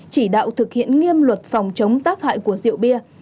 chỉ đạo thực hiện nghiêm luật phòng chống tác hại của rượu bia